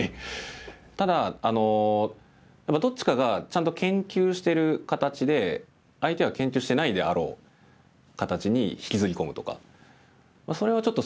ただどっちかがちゃんと研究してる形で相手が研究してないであろう形に引きずり込むとか。